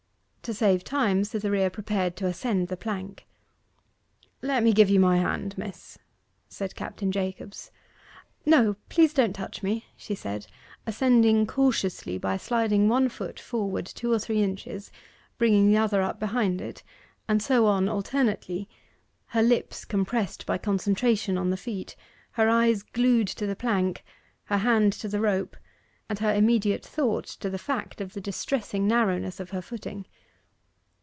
To save time, Cytherea prepared to ascend the plank. 'Let me give you my hand, miss,' said Captain Jacobs. 'No please don't touch me,' said she, ascending cautiously by sliding one foot forward two or three inches, bringing up the other behind it, and so on alternately her lips compressed by concentration on the feat, her eyes glued to the plank, her hand to the rope, and her immediate thought to the fact of the distressing narrowness of her footing.